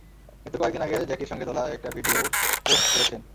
মৃত্যুর কয়েক দিন আগে জ্যাকির সঙ্গে তোলা একটা ভিডিওও পোস্ট করেছেন।